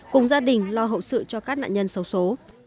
cùng gia đình lo hậu sự cho các nạn nhân xấu xố